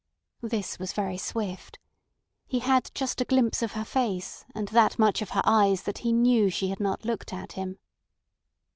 This was very swift. He had just a glimpse of her face and that much of her eyes that he knew she had not looked at him.